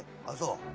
あっそう。